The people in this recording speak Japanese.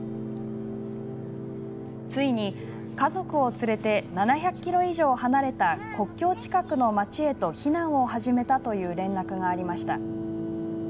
ついに、家族を連れて７００ｋｍ以上離れた国境近くの町へと避難を始めたという連絡がありました。